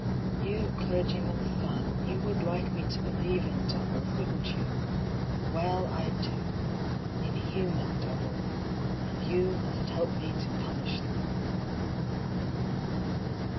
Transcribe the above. " You clergy man's son, you would like me to believe in devils, wouldn't you? Well, I do. In human devils. And you must help me to punish them."